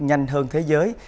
nhanh hơn thế giới